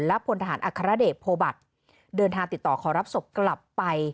และพลทหารอัครเดชโพบัตรเดินทางติดต่อขอรับศพกลับไป